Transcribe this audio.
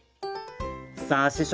さあ師匠